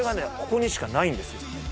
ここにしかないんですよ。